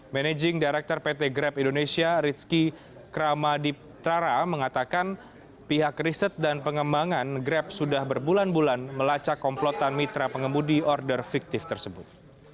managing director pt grab indonesia rizky kramadiptrara mengatakan pihak riset dan pengembangan grab sudah berbulan bulan melacak komplotan mitra pengemudi order fiktif tersebut